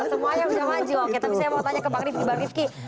semuanya bisa maju oke tapi saya mau tanya ke bang rivki